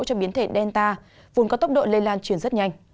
cho biến thể delta vùng có tốc độ lây lan truyền rất nhanh